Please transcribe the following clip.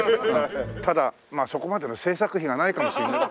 ただそこまでの制作費がないかもしれない。